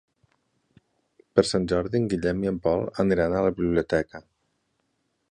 Per Sant Jordi en Guillem i en Pol aniran a la biblioteca.